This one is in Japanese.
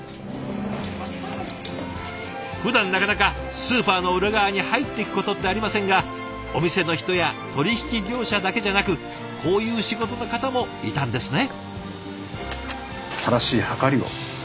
ふだんなかなかスーパーの裏側に入っていくことってありませんがお店の人や取引業者だけじゃなくこういう仕事の方もいたんですね。